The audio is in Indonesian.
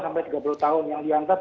sampai tiga puluh tahun yang dianggap